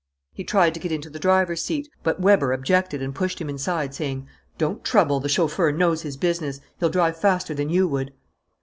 He tried to get into the driver's seat. But Weber objected and pushed him inside, saying: "Don't trouble the chauffeur knows his business. He'll drive faster than you would."